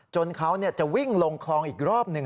เขาจะวิ่งลงคลองอีกรอบหนึ่ง